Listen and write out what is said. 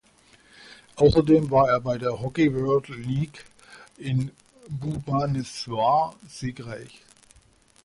Außerdem war er bei der Hockey World League in Bhubaneswar siegreich.